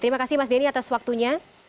terima kasih mas denny atas waktunya